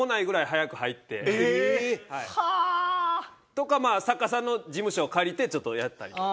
ええー！はあ！とかまあ作家さんの事務所を借りてちょっとやったりとか。